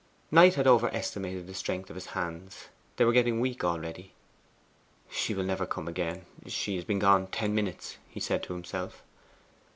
Knight had over estimated the strength of his hands. They were getting weak already. 'She will never come again; she has been gone ten minutes,' he said to himself.